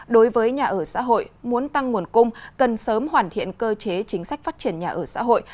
đối với nhà ở xã hội muốn tăng nguồn cung cần sớm hoàn thiện cơ chế chính sách phát triển nhà ở xã hội